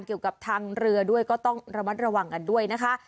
เกี่ยวกับทางเรือด้วยก็ต้องระมัดระวังกันด้วยนะคะ